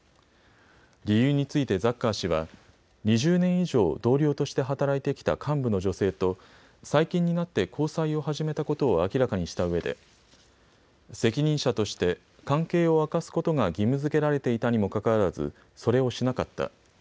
理由についてザッカー氏は２０年以上、同僚として働いてきた幹部の女性と最近になって交際を始めたことを明らかにしたうえで、責任者として関係を明かすことが義務づけられていたにもかかわらず、それをしなかった。